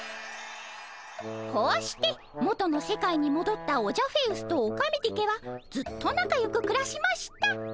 こうして元の世界にもどったオジャフェウスとオカメディケはずっとなかよくくらしました。